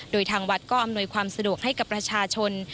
โดยทางวัดก็อำนวยความสะดวกให้กับประชาชน